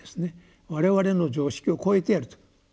我々の常識を超えていると。